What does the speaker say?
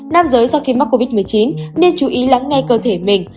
nam giới do khi mắc covid một mươi chín nên chú ý lắng ngay cơ thể mình